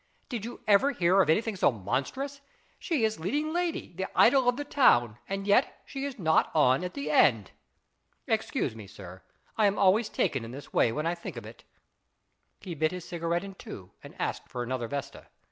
" Did you ever hear of anything so monstrous ? She is leading lady, the idol of the town, and yet she is not on at the end. Excuse me, sir. I am always taken in this way when I think of it/' He bit his cigarette in two and asked for another vesta.